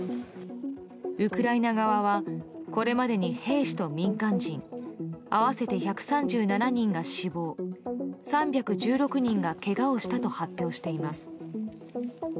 ウクライナ側はこれまでに兵士と民間人合わせて１３７人が死亡３１６人がけがをしたと発表しています。